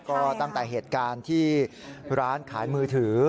ก็ตั้งแต่เหตุการณ์ที่ร้านขายมือถือ